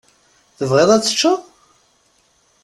Tebɣiḍ ad teččeḍ?